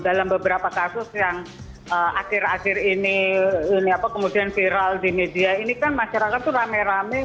dalam beberapa kasus yang akhir akhir ini apa kemudian viral di media ini kan masyarakat itu rame rame